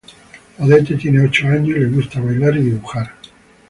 Odette tiene ocho años, y le gusta bailar y dibujar.